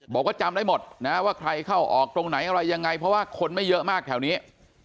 บอกว่าจำได้หมดนะว่าใครเข้าออกตรงไหนอะไรยังไงเพราะว่าคนไม่เยอะมากแถวนี้